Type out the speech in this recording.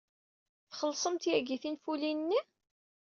Txellṣemt yagi tinfulin-nni?